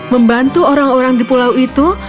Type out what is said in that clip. membantu orang orang di pulau itu